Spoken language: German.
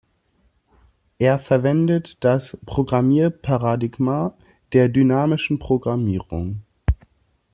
Er verwendet das Programmierparadigma der dynamischen Programmierung.